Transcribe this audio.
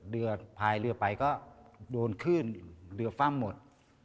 เรือพายเรือไปก็โดนขึ้นเรือฟ่ำหมด